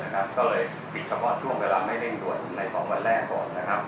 ก็เลยปิดเฉพาะช่วงเวลาไม่เร่งด่วนใน๒วันแรกก่อนนะครับ